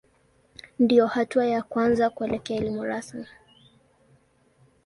Ndiyo hatua ya kwanza kuelekea elimu rasmi.